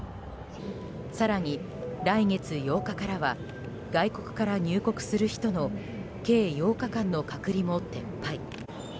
更に、来月８日からは外国から入国する人の計８日間の隔離も撤廃。